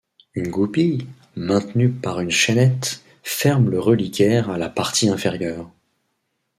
Une goupille, maintenue par une chaînette, ferme le reliquaire à la partie inférieure.